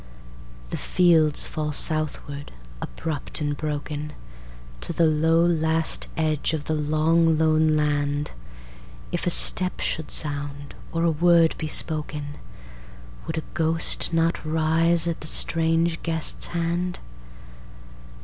The fields fall southward, abrupt and broken, To the low last edge of the long lone land. If a step should sound or a word be spoken, Would a ghost not rise at the strange guest's hand?